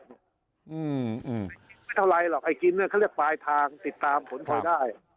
ไม่เท่าไรหรอกไอ้กินเขาเรียกปลายทางติดตามผลควรได้